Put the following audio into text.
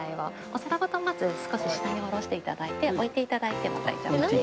お皿ごとまず少し下に下ろして頂いて置いて頂いても大丈夫です。